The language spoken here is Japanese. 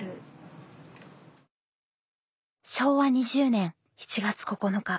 昭和２０年７月９日。